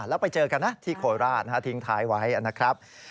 แล้วไปเจอกันนะที่โคราชทิ้งท้ายไว้นะครับ